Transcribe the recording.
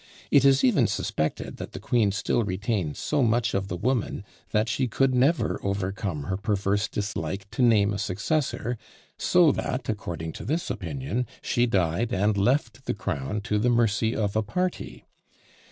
It is even suspected that the queen still retained so much of the woman, that she could never overcome her perverse dislike to name a successor; so that, according to this opinion, she died and left the crown to the mercy of a party!